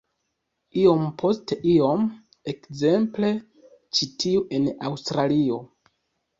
Iom post iom-- ekzemple, ĉi tiu en Aŭstralio.